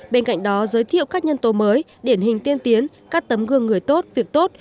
bên cạnh đó giới thiệu các nhân tố mới điển hình tiên tiến các tấm gương người tốt việc tốt